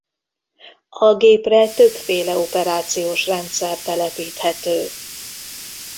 A gépre többféle operációs rendszer telepíthető.